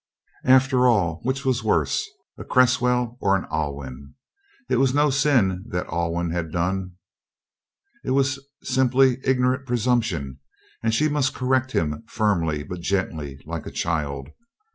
After all, which was worse a Cresswell or an Alwyn? It was no sin that Alwyn had done; it was simply ignorant presumption, and she must correct him firmly, but gently, like a child.